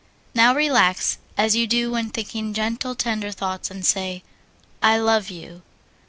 Now relax as you do when thinking gentle, tender thoughts, and say, "I love you."